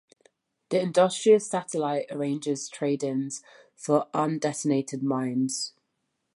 The industrious Satellite arranges trade-ins for undetonated mines.